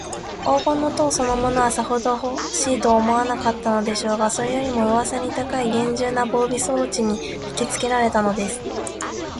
黄金の塔そのものは、さほどほしいとも思わなかったでしょうが、それよりも、うわさに高いげんじゅうな防備装置にひきつけられたのです。